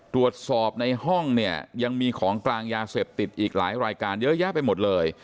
ตรวจสอบในห้องเนี่ยยังมีของกลางยาเสพติดอีกหลายรายการเยอะแยะไปหมดเลย